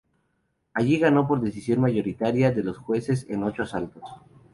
Ali ganó por decisión mayoritaria de los jueces en ocho asaltos.